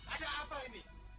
ada apa ini